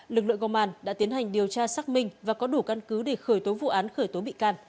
lực lượng công an đã tiến hành điều tra xác minh và có đủ căn cứ để khởi tố vụ án khởi tố bị can